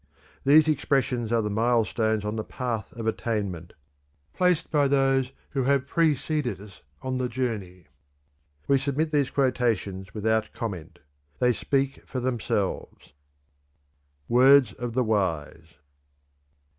These expressions are the milestones on the Path of Attainment, placed by those who have preceded us on the journey. We submit these quotations without comment; they speak for themselves. WORDS OF THE WISE.